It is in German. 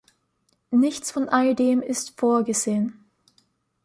Nichts von alldem ist vorgesehen.